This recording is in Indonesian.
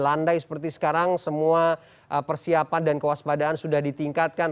landai seperti sekarang semua persiapan dan kewaspadaan sudah ditingkatkan